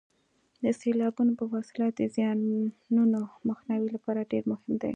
د سیلابونو په وسیله د زیانونو مخنیوي لپاره ډېر مهم دي.